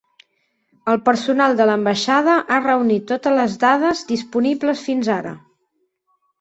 El personal de l'ambaixada ha reunit totes les dades disponibles fins ara.